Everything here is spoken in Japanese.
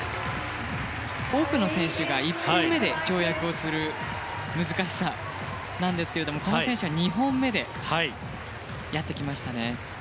多くの選手が、１本目で跳躍をする難しさなんですがこの選手は２本目でやってきましたね。